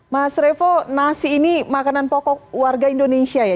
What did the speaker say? mas revo nasi ini makanan pokok warga indonesia ya